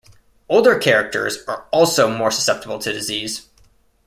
Older characters are also more susceptible to disease.